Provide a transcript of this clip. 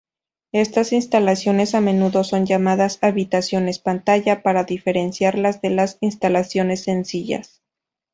Estas instalaciones a menudo son llamadas "habitaciones pantalla" para diferenciarlas de las instalaciones sencillas.